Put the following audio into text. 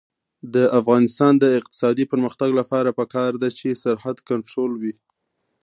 د افغانستان د اقتصادي پرمختګ لپاره پکار ده چې سرحد کنټرول وي.